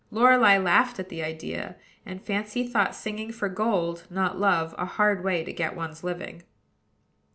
Lorelei laughed at the idea; and Fancy thought singing for gold, not love, a hard way to get one's living.